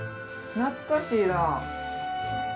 懐かしいな。